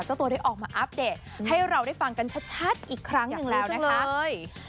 เจ้าตัวได้ออกมาอัปเดตให้เราได้ฟังกันชัดชัดอีกครั้งหนึ่งแล้วนะคะอยากรู้จังเลย